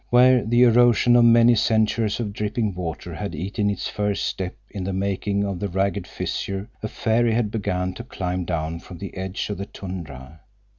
Where the erosion of many centuries of dripping water had eaten its first step in the making of the ragged fissure a fairy had begun to climb down from the edge of the tundra.